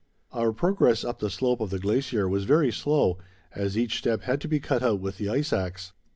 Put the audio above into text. Our progress up the slope of the glacier was very slow, as each step had to be cut out with the ice axe.